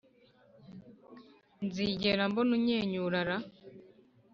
nzigera mbona unyenyura ra